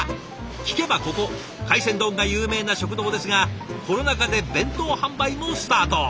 聞けばここ海鮮丼が有名な食堂ですがコロナ禍で弁当販売もスタート。